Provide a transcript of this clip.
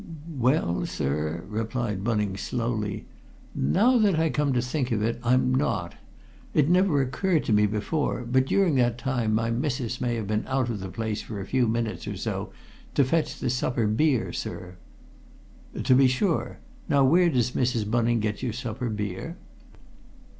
"Well, sir," replied Bunning slowly, "now that I come to think of it, I'm not! It never occurred to me before, but during that time my missis may have been out of the place for a few minutes or so, to fetch the supper beer, sir." "To be sure! Now where does Mrs. Bunning get your supper beer?"